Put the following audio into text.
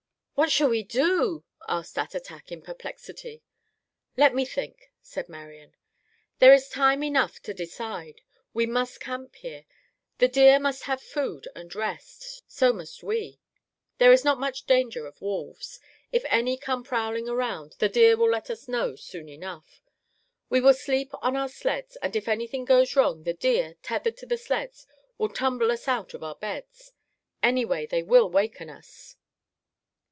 "What shall we do?" asked Attatak, in perplexity. "Let me think," said Marian. "There is time enough to decide. We must camp here. The deer must have food and rest. So must we. There is not much danger of wolves. If any come prowling around, the deer will let us know soon enough. We will sleep on our sleds and if anything goes wrong, the deer, tethered to the sleds, will tumble us out of our beds. Anyway, they will waken us."